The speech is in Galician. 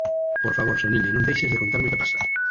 Por favor, Soniña, non deixes de contarme o que pasa!